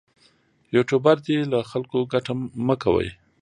یوټوبر دې له خلکو ګټه مه کوي.